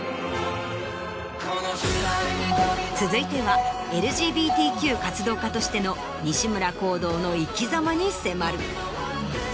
続いてはＬＧＢＴＱ活動家としての西村宏堂の生きざまに迫る。